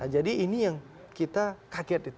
jadi ini yang kita kaget